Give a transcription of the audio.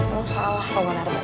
lo salah roman ardhani